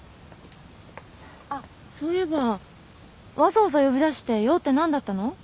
あっそういえばわざわざ呼び出して用って何だったの？